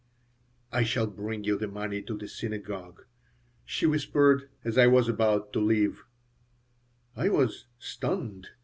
"I shall bring you the money to the synagogue," she whispered as I was about to leave I was stunned.